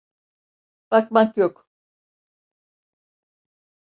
Bakmak yok.